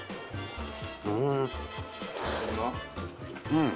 うん。